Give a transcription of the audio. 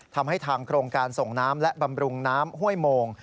ทางโครงการส่งน้ำและบำรุงน้ำห้วยโมง